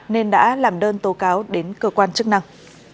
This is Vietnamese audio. nên đã làm đơn tố cáo đến cơ quan chức năng